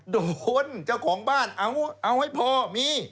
เจ้าของบ้านเอาให้พอมี